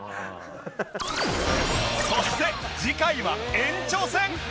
そして次回は延長戦